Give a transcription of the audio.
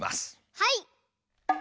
はい！